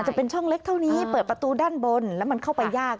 จะเป็นช่องเล็กเท่านี้เปิดประตูด้านบนแล้วมันเข้าไปยาก